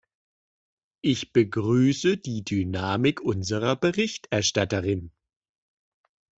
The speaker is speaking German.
Ich begrüße die Dynamik unserer Berichterstatterin.